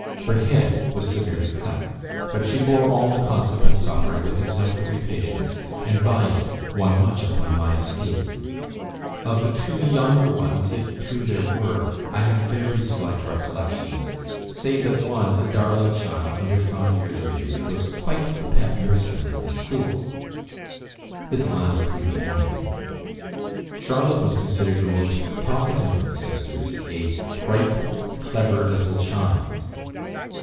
Her head was severely cut, but she bore all the consequent suffering with exemplary patience, and by it won much upon my esteem. Of the two younger ones (if two there were) I have very slight recollections, save that one, a darling child, under five years of age, was quite the pet nursling of the school." This last would be Emily. Charlotte was considered the most talkative of the sisters a "bright, clever, little child."